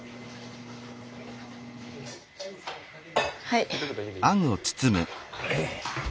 はい。